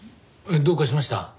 どうかしました？